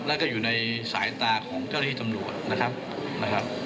แล้วก็อยู่ในสายตาของเจ้าหน้าที่จำลวงนะครับ